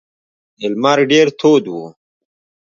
لمر ډیر تود و.